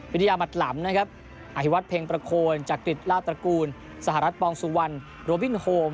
วิทยามัดหลำนะครับอภิวัตเพ็งประโคนจักริจลาตระกูลสหรัฐปองสุวรรณโรบินโฮม